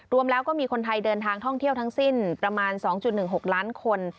รวมแล้วก็มีคนไทยเดินทางท่องเที่ยวทั้งสิ้นประมาณ๒๑๖ล้านคน